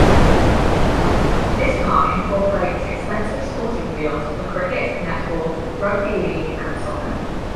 This park incorporates extensive sporting fields for cricket, netball, rugby league and soccer.